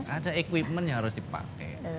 ada equipment yang harus dipakai